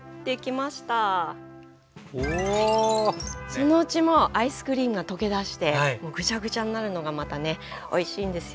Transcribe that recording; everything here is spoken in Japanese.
そのうちアイスクリームが溶けだしてぐちゃぐちゃになるのがまたねおいしいんですよね。